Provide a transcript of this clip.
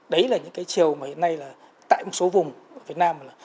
đấy là những chiều mà hiện nay tại một số vùng ở việt nam